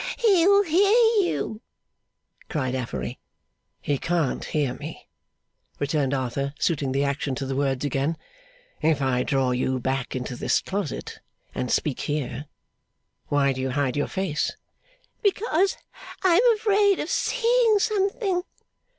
'He'll hear you,' cried Affery. 'He can't hear me,' returned Arthur, suiting the action to the words again, 'if I draw you into this black closet, and speak here. Why do you hide your face?' 'Because I am afraid of seeing something.